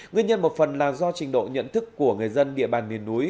nguyên nhân một phần là do trình độ nhận thức của người dân địa bàn miền núi